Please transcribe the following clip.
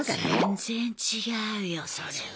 全然違うよそれは。